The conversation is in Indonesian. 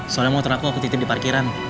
soalnya motor aku aku titip di parkiran